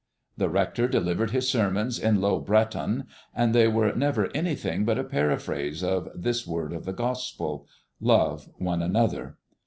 The rector delivered his sermons in Low Breton, and they were never anything but a paraphrase of this word of the Gospel, Love one another.